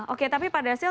oke tapi pak dhasil